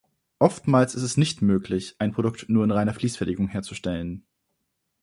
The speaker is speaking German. Oftmals ist es nicht möglich, ein Produkt nur in reiner Fließfertigung herzustellen.